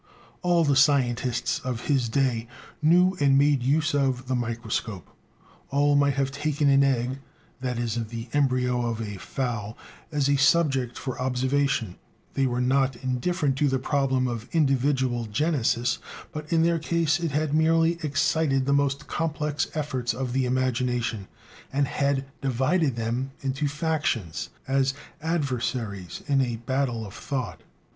] All the scientists of his day knew and made use of the microscope; all might have taken an egg, that is, the embryo of a fowl, as a subject for observation; they were not indifferent to the problem of individual genesis, but in their case it had merely excited the most complex efforts of the imagination, and had divided them into factions, as adversaries in a battle of thought.